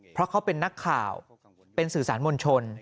เพราะเขาเป็นนักข่าวเป็นสื่อสารมวลชน